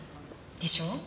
でしょ？